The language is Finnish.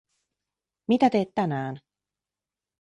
Mitä teet tänään?